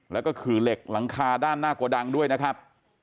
แล้วก็ขื่อเหล็กหลังคาด้านหน้าโกดังด้วยนะครับ